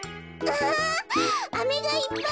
わあ飴がいっぱい。